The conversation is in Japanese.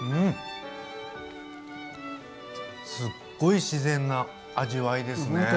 すっごい自然な味わいですね！